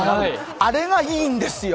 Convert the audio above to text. あれがいいんですよ！